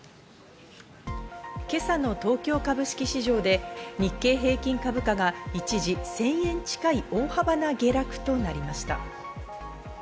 今朝の東京株式市場で日経平均株価が一時１０００円近い大幅な下落となりました。